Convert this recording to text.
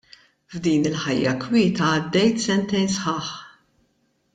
F'din il-ħajja kwieta għaddejt sentejn sħaħ.